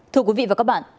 thưa quý vị và các bạn